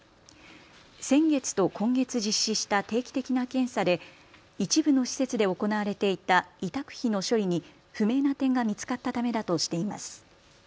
先月と今月実施した定期的な検査で一部の施設で行われていた委託費の処理に不明な点が見つかったためだとしています。